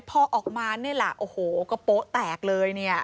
พอออกมานี่แหละโอ้โหกระโป๊ะแตกเลยเนี่ย